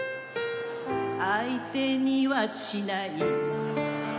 「相手にはしない」